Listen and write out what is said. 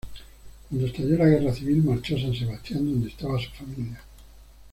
Cuando estalló la Guerra Civil, marchó a San Sebastián, donde estaba su familia.